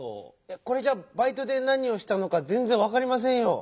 これじゃバイトでなにをしたのかぜんぜんわかりませんよ。